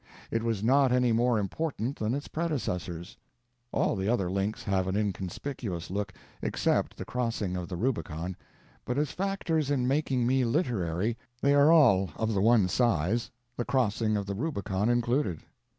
It was not any more important than its predecessors. All the other links have an inconspicuous look, except the crossing of the Rubicon; but as factors in making me literary they are all of the one size, the crossing of the Rubicon included.